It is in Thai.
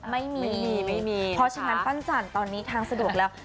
ไม่มีไม่มีเพราะฉะนั้นปั้นจันตอนนี้ทางสะดวกแล้ว